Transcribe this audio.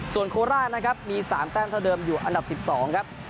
ส่วนโคราชนะครับมี๓แต้มเท่าเดิมอยู่อันดับ๑๒ครับ